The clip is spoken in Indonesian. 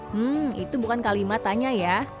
hmm itu bukan kalimat tanya ya